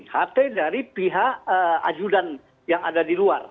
hp dari pihak ajudan yang ada di luar